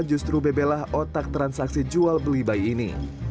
justru bebelah otak transaksi jual beli bayi ini